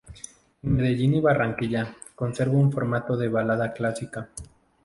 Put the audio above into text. En Medellín y Barranquilla, conserva un formato de balada clásica.